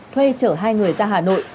thuê chở hai người ra hà nội